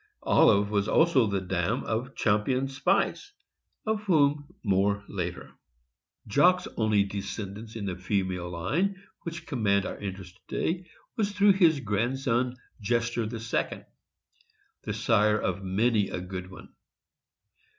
Olive was also the dam of Champion Spice, of whom more later. Jock's only descendants in the male line which command our interest to day was through his grandson Jester II. , the sire of many a good one.